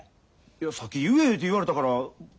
いやさっき「言え」いうて言われたから。